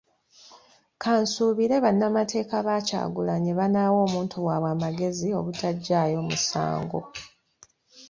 Kansuubire bannamateeka ba Kyagulanyi banaawa omuntu waabwe amagezi obutaggyayo musango.